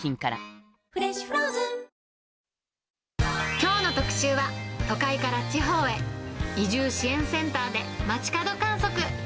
きょうの特集は、都会から地方へ、移住支援センターで街角観測。